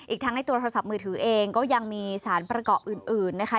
ทั้งในตัวโทรศัพท์มือถือเองก็ยังมีสารประกอบอื่นนะคะ